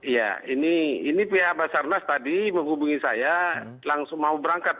ya ini pihak basarnas tadi menghubungi saya langsung mau berangkat